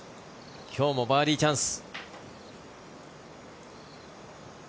今日もバーディーチャンス。